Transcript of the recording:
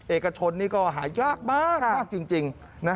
เอกชนนี่ก็หายากมากจริง